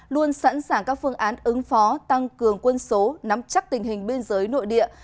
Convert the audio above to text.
luôn sẵn sàng các phương án ứng phó tăng cường quân số nắm chắc tình hình biên giới nội địa